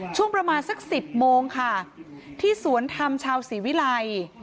ช่วงประมาณสัก๑๐โมงค่ะที่สวนธรรมชาวศรีวิลัย